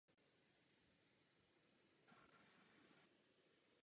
V horách je rozvětvená říční síť.